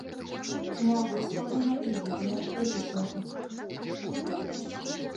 Не выстаўлена і відэа эпізоду.